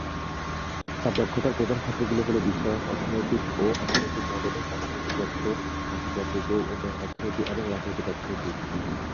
তার দক্ষতার প্রধান ক্ষেত্রগুলো হলো বিশ্বায়ন, অর্থনৈতিক ও অর্থনৈতিক মডেলিং, অর্থনৈতিক তত্ত্ব, আন্তর্জাতিক ও উন্নয়ন অর্থনীতি এবং রাজনৈতিক অর্থনীতি।